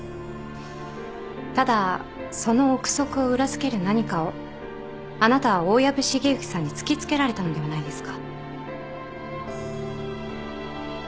ただその臆測を裏付ける何かをあなたは大藪重之さんに突き付けられたのではないですか。